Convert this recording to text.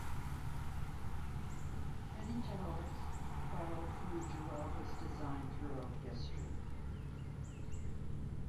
Many towers have borrowed from the Giralda's design throughout history.